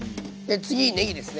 次ねぎですね。